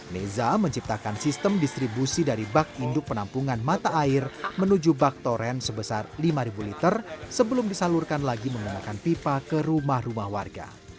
neza menciptakan sistem distribusi dari bak induk penampungan mata air menuju bak toren sebesar lima liter sebelum disalurkan lagi menggunakan pipa ke rumah rumah warga